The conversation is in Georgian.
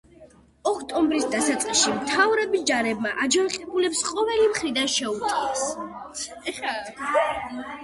ოქტომბრის დასაწყისში მთავრობის ჯარებმა აჯანყებულებს ყოველი მხრიდან შეუტიეს.